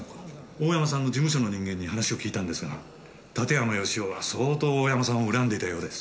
大山さんの事務所の人間に話を聞いたんですが館山義男は相当大山さんを恨んでいたようです。